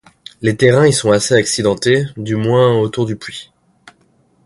Les terrains y sont assez accidentés du moins autour du puits.